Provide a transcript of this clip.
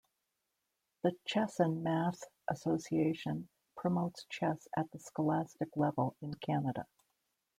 The Chess'n Math Association promotes chess at the scholastic level in Canada.